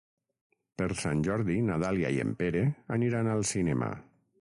Per Sant Jordi na Dàlia i en Pere aniran al cinema.